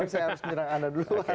saya harus menyerang anda dulu